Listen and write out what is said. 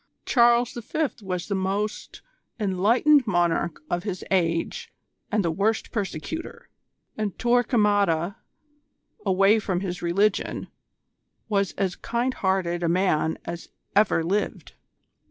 Charles V. was the most enlightened monarch of his age and the worst persecutor, and Torquemada, away from his religion, was as kind hearted a man as ever lived.